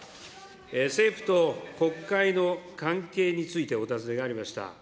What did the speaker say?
政府と国会の関係についてお尋ねがありました。